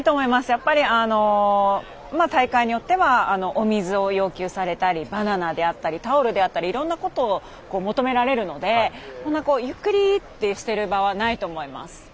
やっぱり、大会によってはお水を要求されたりバナナであったりタオルであったりいろんなことを求められるのでゆっくりってしてる場はないと思います。